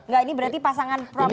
enggak ini berarti pasangan problemnya